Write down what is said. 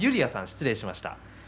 失礼しました。